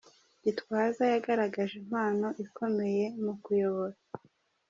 Gitwaza yagaragaje impano ikomeye mu kuyobora.